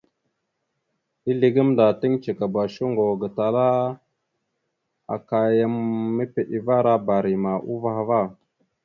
Ezle gamənda tiŋgəcekaba shuŋgo aka ya mepeɗevara barima uvah ava.